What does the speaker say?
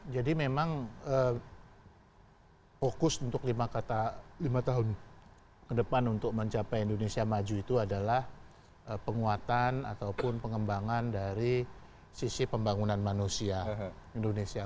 jadi memang fokus untuk lima kata lima tahun ke depan untuk mencapai indonesia maju itu adalah penguatan ataupun pengembangan dari sisi pembangunan manusia indonesia